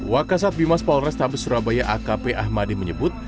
wakasat bimas polrestabes surabaya akp ahmadi menyebut